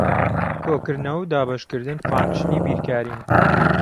کۆکردنەوە و دابەشکردن فانکشنی بیرکارین.